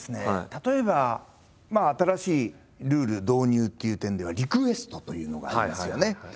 例えば新しいルール導入という点では「リクエスト」というのがありますよね。